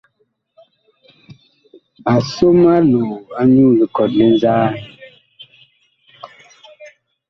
A som aloo anyuu likɔt li nzaan.